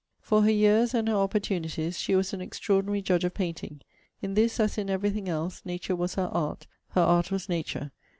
For her years, and her opportunities, she was an extraordinary judge of painting. In this, as in every thing else, nature was her art, her art was nature.